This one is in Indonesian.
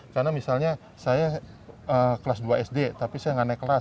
karena misalnya saya kelas dua sd tapi saya nggak naik kelas